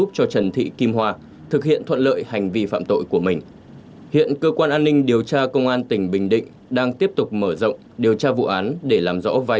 trần thị kinh hoa giám đốc trường bộ tỉnh làm số đó là hai vợ chồng đối tượng đặng ngọc trường bốn mươi tuổi cùng chú xã mỹ quang huyện phủ mỹ